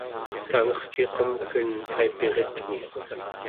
tangerciqamken aipiritmi